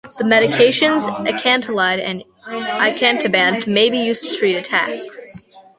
The medications ecallantide and icatibant may be used to treat attacks.